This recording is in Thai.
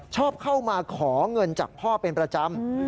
ชอบเข้ามาขอเงินจากพ่อเป็นประจำ